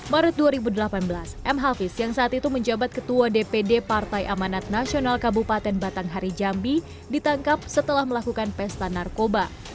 maret dua ribu delapan belas m hafiz yang saat itu menjabat ketua dpd partai amanat nasional kabupaten batanghari jambi ditangkap setelah melakukan pesta narkoba